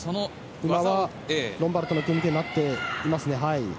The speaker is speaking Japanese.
ロンバルドの組み手になってますね。